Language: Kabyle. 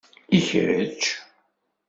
I kečč?